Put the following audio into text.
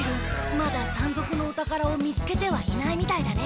まだ山賊のお宝を見つけてはいないみたいだね。